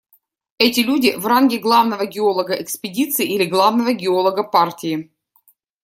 Эти люди в ранге главного геолога экспедиции или главного геолога партии.